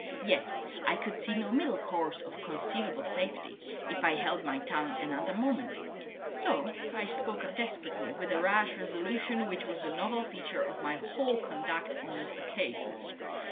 Yet I could see no middle course of conceivable safety, if I held my tongue another moment. So I spoke up desperately, with the rash resolution which was the novel feature of my whole conduct on this occasion.